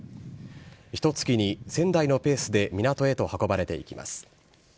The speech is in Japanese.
ひとつきに１０００台のペースで港へと運ばれていきます。